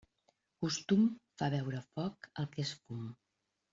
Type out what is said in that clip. Costum fa veure foc el que és fum.